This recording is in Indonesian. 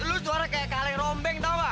lu suara kayak kaleng rombeng tau gak